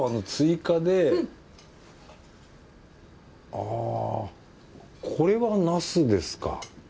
あこれはなすですか？